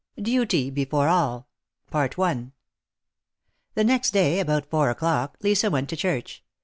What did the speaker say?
DUTY BEFORE ALL, HE next day, about four o'clock, Lisa went to church.